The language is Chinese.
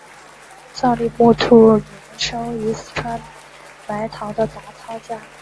藏历木兔年生于四川理塘的达仓家。